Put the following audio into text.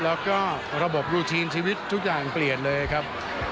แล้วก็ระบบรูทีนชีวิตทุกอย่างเปลี่ยนเลยครับ